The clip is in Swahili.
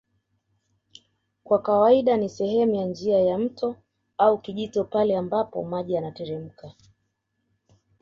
Kwa kawaida ni sehemu ya njia ya mto au kijito pale ambako maji yanateremka